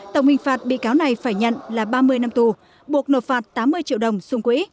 tổng hình phạt bị cáo này phải nhận là ba mươi năm tù buộc nộp phạt tám mươi triệu đồng xung quỹ